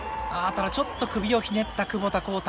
ただちょっと首をひねった窪田幸太。